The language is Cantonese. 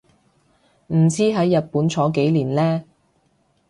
唔知喺日本坐幾年呢